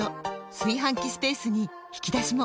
炊飯器スペースに引き出しも！